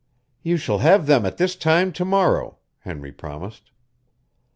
"You shall have them at this time to morrow," Henry promised.